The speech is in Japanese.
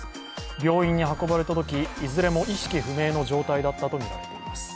病院に運ばれたとき、いずれも意識不明の状態だったとみられています。